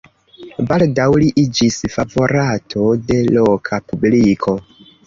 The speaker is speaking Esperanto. Baldaŭ li iĝis favorato de loka publiko.